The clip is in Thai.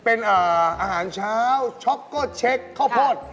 เป็นอาหารเช้าช็อกโก้เช็คข้าวโพด